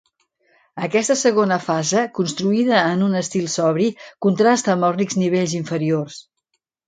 Aquesta segona fase, construïda en un estil sobri, contrasta amb els rics nivells inferiors.